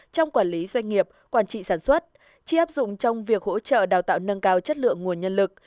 trong quản lý doanh nghiệp quản trị sản xuất chi áp dụng trong việc hỗ trợ đào tạo nâng cao chất lượng nguồn nhân lực